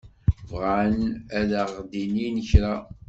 Bɣan ad aɣ-d-inin kra.